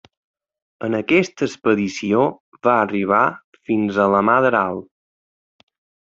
En aquesta expedició va arribar fins a la mar d'Aral.